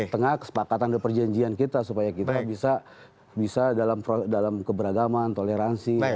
tengah kesepakatan dan perjanjian kita supaya kita bisa dalam keberagaman toleransi